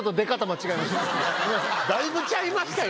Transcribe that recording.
だいぶ違いましたよ。